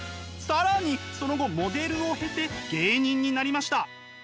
更にその後モデルを経て芸人になりました。